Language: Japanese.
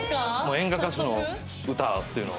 演歌歌手の歌っていうのを。